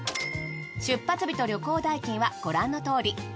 出発日と旅行代金はご覧のとおり。